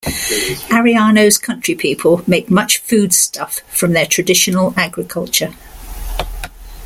Ariano's countrypeople make much foodstuff from their traditional agriculture.